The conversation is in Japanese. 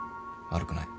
悪くない。